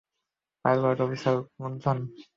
Pilot officer Gunjan?